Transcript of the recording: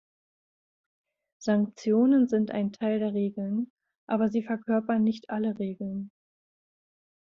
Sanktionen sind ein Teil der Regeln, aber sie verkörpern nicht alle Regeln.